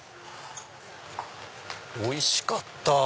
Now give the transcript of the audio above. おいしかった！